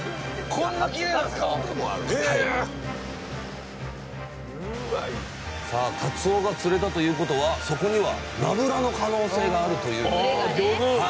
こんなきれいなんすか⁉かつおが釣れたということはそこにはなぶらの可能性があるということになります。